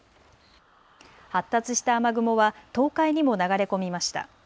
発達した雨雲は東海にも流れ込みました。